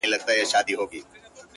زه مي پر خپلي بې وسۍ باندي تکيه کومه’